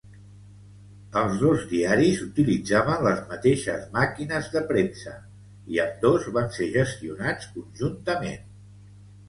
Els dos diaris utilitzaven les mateixes màquines de premsa, i ambdós van ser gestionats conjuntament.